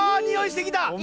においしてきた！